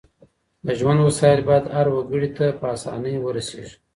د ژوند وسايل بايد هر وګړي ته په اسانۍ ورسيږي.